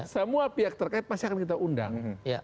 semua pihak terkait pasti akan kita undang